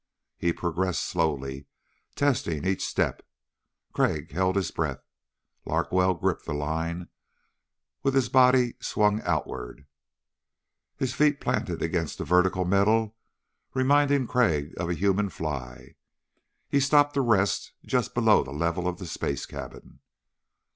He progressed slowly, testing each step. Crag held his breath. Larkwell gripped the line with his body swung outward, his feet planted against the vertical metal, reminding Crag of a human fly. He stopped to rest just below the level of the space cabin.